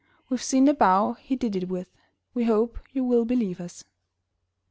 We've seen the bow he did it with; We hope you will believe us.